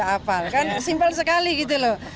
hafal kan simpel sekali gitu loh